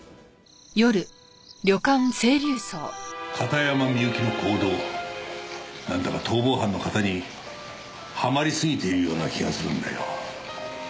片山みゆきの行動なんだか逃亡犯の型にはまりすぎているような気がするんだよ。